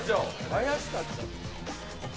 怪しかった。